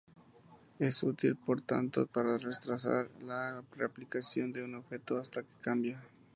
Es útil por tanto para retrasar la replicación de un objeto hasta que cambia.